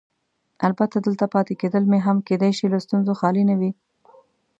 البته دلته پاتې کېدل مې هم کیدای شي له ستونزو خالي نه وي.